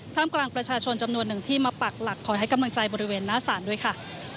กลางประชาชนจำนวนหนึ่งที่มาปักหลักคอยให้กำลังใจบริเวณหน้าศาลด้วยค่ะ